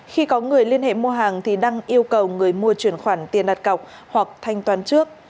khi có người liên hệ mua hàng thì đăng yêu cầu người mua chuyển khoản tiền đặt cọc hoặc thanh toán trước